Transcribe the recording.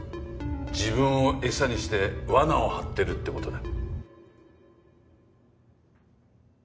自分を餌にして罠を張ってるって事だ。